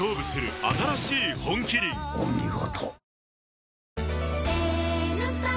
お見事。